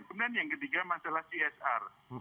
kemudian yang ketiga masalah csr